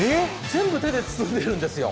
全部手で包んでいるんですよ。